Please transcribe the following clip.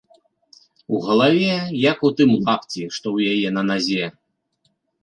У галаве, як у тым лапці, што ў яе на назе.